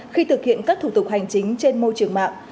khi thực hiện các thủ tục hành chính trên môi trường mạng